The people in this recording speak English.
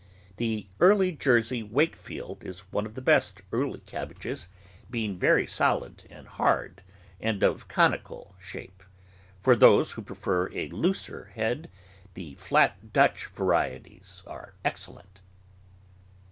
The Early Jersey Wakefield is one of the best early cabbages, being very solid and hard and of conical shape. For those who prefer a looser head, the Flat Dutch varieties are excellent.